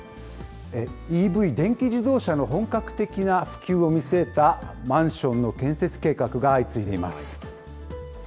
ＥＶ・電気自動車の本格的な普及を見据えた、マンションの建設計画が相次いでいます。